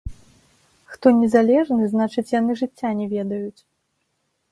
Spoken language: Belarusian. Хто незалежны, значыць, яны жыцця не ведаюць.